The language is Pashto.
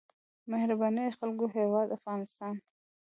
د مهربانو خلکو هیواد افغانستان.